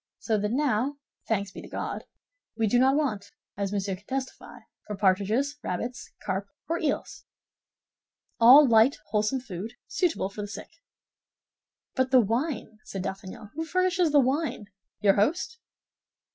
So that now, thanks be to God, we do not want, as Monsieur can testify, for partridges, rabbits, carp or eels—all light, wholesome food, suitable for the sick." "But the wine," said D'Artagnan, "who furnishes the wine? Your host?"